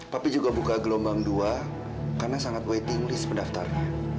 tapi juga buka gelombang dua karena sangat waiting list pendaftarnya